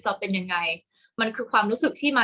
กากตัวทำอะไรบ้างอยู่ตรงนี้คนเดียว